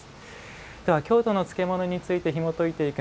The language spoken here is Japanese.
では、京都の漬物についてひもといていく